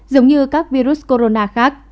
giống như các virus corona khác